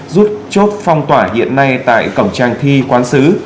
rút chốt phong tỏa hiện nay tại cổng trang thi quán xứ